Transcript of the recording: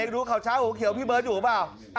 ดูข่าวเช้าหัวเขียวพี่เบิร์ตอยู่หรือเปล่า